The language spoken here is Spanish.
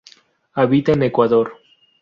Habita en el Ecuador.